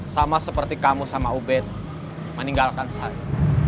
sama seperti kamu sama ubed meninggalkan saya